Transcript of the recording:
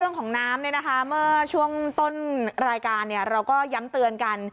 เรื่องของน้ำเมื่อช่วงต้นรายการเราก็ย้ำเตือนกัน